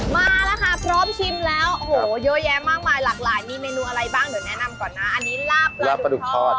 มาแล้วค่ะพร้อมชิมแล้วโอ้โหเยอะแยะมากมายหลากหลายมีเมนูอะไรบ้างเดี๋ยวแนะนำก่อนนะอันนี้ลาบปลาดุกทอด